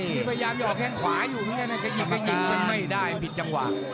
พี่ประยามอยู่ออกแห้งขวาอยู่มันก็ยิงก็ยิงมันไม่ได้ผิดจังหวะ